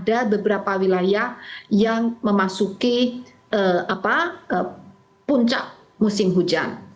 ada beberapa wilayah yang memasuki puncak musim hujan